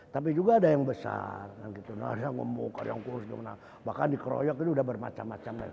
tapi juga ada yang besar ada yang memukul yang kurus bahkan dikeroyok ini sudah bermacam macam